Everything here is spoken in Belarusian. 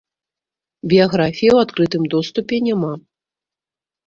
Біяграфіі ў адкрытым доступе няма.